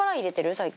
最近。